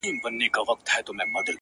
خدايه ته لوی يې؛